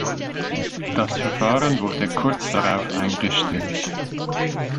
Das Verfahren wurde kurz darauf eingestellt.